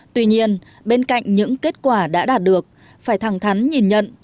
tuy nhiên bên cạnh những kết quả đã đạt được phải thẳng thắn nhìn nhận